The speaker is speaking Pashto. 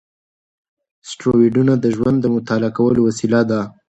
اسټروېډونه د ژوند د مطالعه کولو وسیله دي.